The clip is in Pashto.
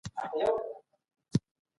څنګه کولای سو د بهرنیو لاسوهنو مخه ونیسو؟